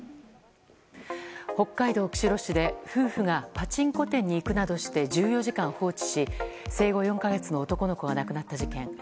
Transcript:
北海道釧路市で夫婦がパチンコ店に行くなどして１４時間放置し、生後４か月の男の子が亡くなった事件。